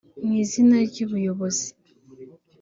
mu izina ry’ubuyobozi